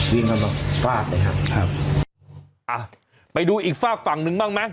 วิ่งเข้ามาฟาดเลยครับครับอ่ะไปดูอีกฝากฝั่งหนึ่งบ้างไหม